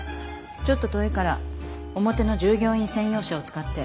ちょっと遠いから表の従業員専用車を使って。